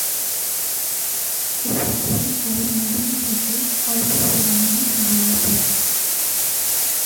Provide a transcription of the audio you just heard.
উপকূল ও মোহনা থেকে অল্প পরিমাণে ধরা পড়ে।